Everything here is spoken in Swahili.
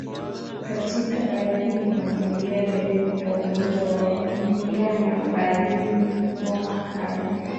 Katika baadhi ya mazingira dalili za ugonjwa wa ndigana baridi ni homa kali